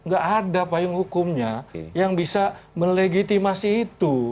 gak ada payung hukumnya yang bisa melegitimasi itu